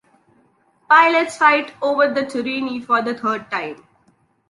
Pilots fight over the Turini for the third time.